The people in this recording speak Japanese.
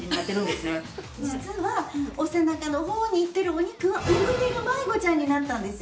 実はお背中の方に行ってるお肉はお胸が迷子ちゃんになったんですよ。